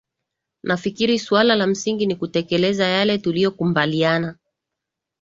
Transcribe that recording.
nafikiri suala la msingi ni kutekeleza yale tuliokumbaliana